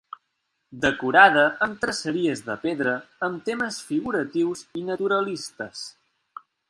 Decorada amb traceries de pedra amb temes figuratius i naturalistes.